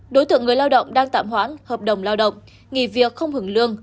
đối tượng người lao động đang tạm hoãn hợp đồng lao động nghỉ việc không hưởng lương